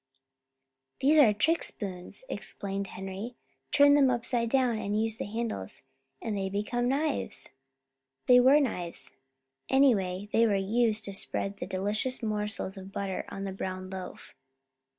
"These are trick spoons," explained Henry. "Turn them upside down, and use the handle, and they become knives." They were knives; anyway, they were used to spread the delicious morsels of butter on the brown loaf.